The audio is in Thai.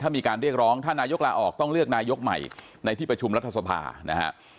มีการเรียกร้องถ้านายกลาออกต้องเลือกนายกใหม่ในที่ประชุมรัฐสภานะฮะ